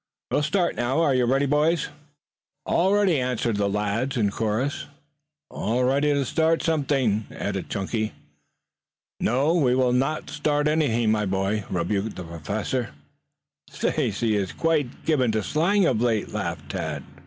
"We will start now. Are you ready, boys?" "All ready," answered the lads in chorus. "All ready to start something!" added Chunky. "No, we will not start anything, my boy," rebuked the Professor. "Stacy is quite given to slang of late," laughed Tad.